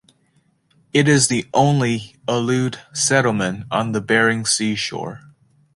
It is the only Aleut settlement on the Bering Sea shore.